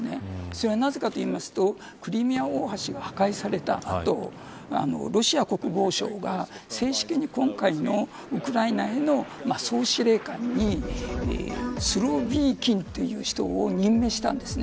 それはなぜかというとクリミア大橋が破壊された後ロシア国防省が正式に、今回のウクライナへの総司令官にスロービーキンという人を任命したんです。